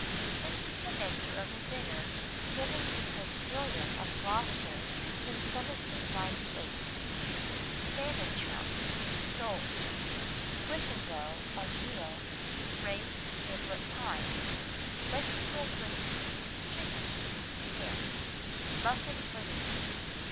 This is the menu of a dinner given to Prince William of Gloucester in 1798— Salmon Trout. Soles. Fricando of Veal. Raised Giblet Pie. Vegetable Pudding. Chickens. Ham. Muffin Pudding.